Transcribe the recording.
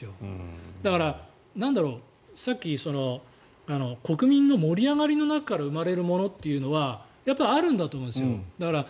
だからさっき国民の盛り上がりの中から生まれるものというのはあると思うんですよ。